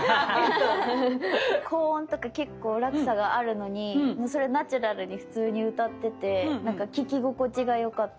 高音とか結構落差があるのにそれナチュラルに普通に歌っててなんか聴き心地がよかったです。